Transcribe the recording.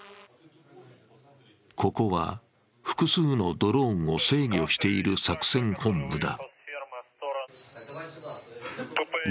ここは複数のドローンを制御している作戦本部だ。